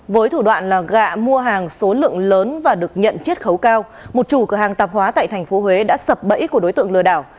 với thủ đoạn gạ mua hàng số lượng lớn và được nhận chiết khấu cao một chủ cửa hàng tạp hóa tại thành phố huế đã sập bẫy của đối tượng lừa đảo